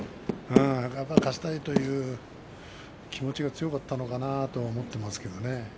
勝ちたいという気持ちが強かったのかなと思っていますけれど。